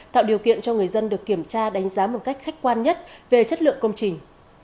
tạo điều kiện cho người dân được kiểm tra đánh giá một cách khách quan nhất về chất lượng công trình